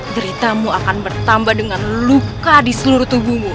deritamu akan bertambah dengan luka di seluruh tubuhmu